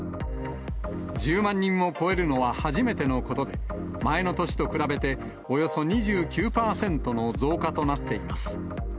１０万人を超えるのは初めてのことで、前の年と比べて、およそ２９％の増加となっています。